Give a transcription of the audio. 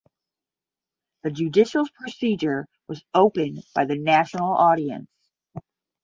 The judicial procedure was opened by the National Audience.